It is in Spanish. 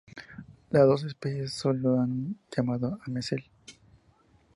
Las dos especies solo se han hallado en Messel.